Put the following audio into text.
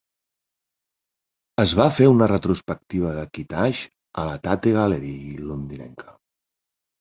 Es va fer una retrospectiva de Kitaj a la Tate Gallery londinenca.